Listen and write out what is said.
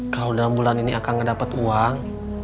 kalau dalam bulan ini akan mendapat uang